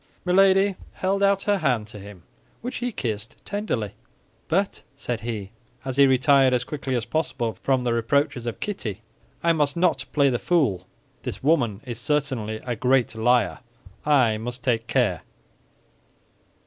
Milady held out her hand to him, which he kissed tenderly. "But," said he, as he retired as quickly as possible from the reproaches of Kitty, "I must not play the fool. This woman is certainly a great liar. I must take care."